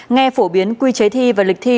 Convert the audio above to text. nghe phổ biến quy chế thi và lịch thi